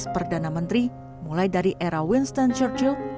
lima belas perdana menteri mulai dari era winston churchill